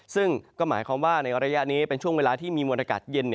ซึ่งก็หมายความว่าในระยะนี้เป็นช่วงเวลาที่มีมวลอากาศเย็น